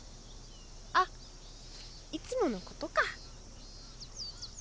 あっいつものことか。